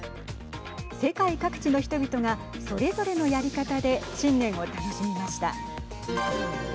世界各地の人々がそれぞれのやり方で新年を楽しみました。